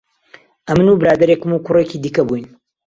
ئەمن و برادەرێکم و کوڕێکی دیکە بووین